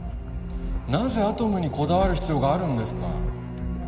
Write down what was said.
なぜアトムにこだわる必要があるんですか？